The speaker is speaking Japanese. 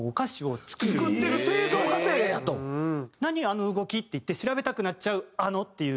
あの動き」っていって調べたくなっちゃう「あの」っていう。